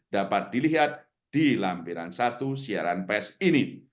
dapat dilihat di lampiran satu siaran pes ini